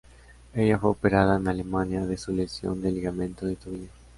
Ella fue operada en Alemania de su lesión de ligamento de tobillo.